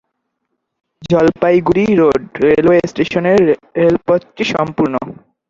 Jalpaiguri road railway স্টেশনের রেলপথটি সম্পূর্ণ।